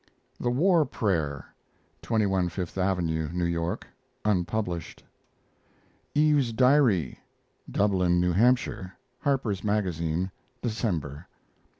THE WAR PRAYER (21 Fifth Avenue, New York) (unpublished). EVE'S DIARY (Dublin, New Hampshire) Harper's Magazine, December.